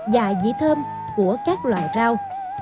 và vị thơm của các loài rau